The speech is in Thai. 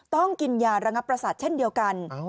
ต้องกินยาระงับประสาทเช่นเดียวกัน